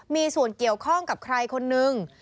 มีส่วนเกี่ยวข้องกับใครคนนึง